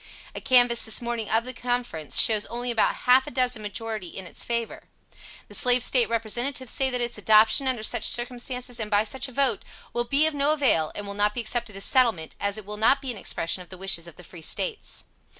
A canvass this morning of the Conference, shows only about half a dozen majority in its favor. The Slave State representatives say that its adoption, under such circumstances, and by such a vote, will be of no avail, and will not be accepted as settlement, as it will not be an expression of the wishes of the Free States.